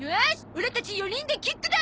オラたち４人でキックだ！